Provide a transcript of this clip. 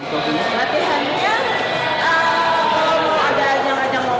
kalau ada yang yang mau mau ambil tiap hari latihannya fisiknya latihan di lapangannya juga